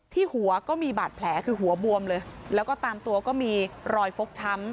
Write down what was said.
หัวก็มีบาดแผลคือหัวบวมเลยแล้วก็ตามตัวก็มีรอยฟกช้ำ